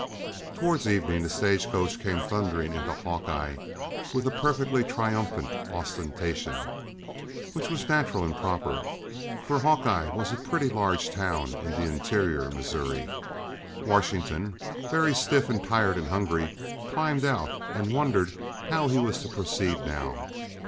Toward evening, the stage coach came thundering into Hawkeye with a perfectly triumphant ostentation which was natural and proper, for Hawkey a was a pretty large town for interior Missouri. Washington, very stiff and tired and hungry, climbed out, and wondered how he was to proceed now.